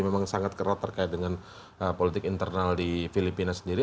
memang sangat keras terkait dengan politik internal di filipina sendiri